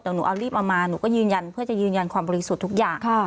แต่หนูเอารีบเอามาหนูก็ยืนยันเพื่อจะยืนยันความบริสุทธิ์ทุกอย่าง